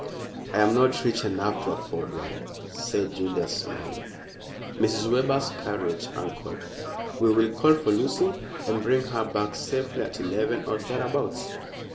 "I am not rich enough to afford one," said Julius, smiling. "Mrs. Webber's carriage, uncle. We will call for Lucy and bring her back safely at eleven or thereabouts."